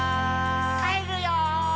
「帰るよー」